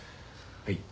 はい。